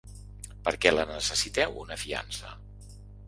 Per què la necessiteu, una fiança?